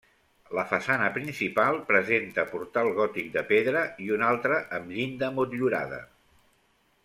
La façana principal presenta portal gòtic de pedra i un altre amb llinda motllurada.